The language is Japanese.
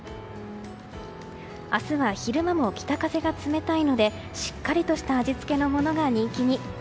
明日は昼間も北風が冷たいのでしっかりとした味付けのものが人気に。